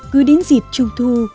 cứ đến dịp trung thu